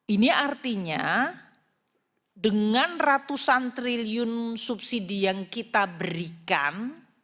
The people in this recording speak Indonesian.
ini artinya dengan ratusan triliun subsidi yang kita berikan